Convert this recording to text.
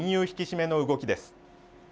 引き締めの動きです。